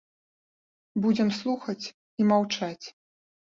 Будзем слухаць і маўчаць.